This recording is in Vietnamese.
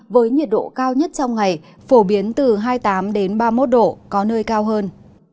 với nhiệt độ cao nhất trong ngày phổ biến từ hai mươi tám ba mươi một độ có nơi cao hơn